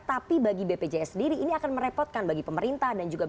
tapi bagi bpjs sendiri ini akan merepotkan bagi pemerintah dan juga bp